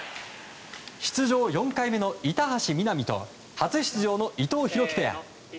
出場４回目の板橋美波と初出場の伊藤洸輝ペア。